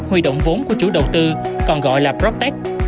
huy động vốn của chủ đầu tư còn gọi là protech